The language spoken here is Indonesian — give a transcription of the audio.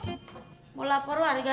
mau lapor warga